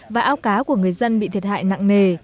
và ao cá của người dân bị thiệt hại nặng nề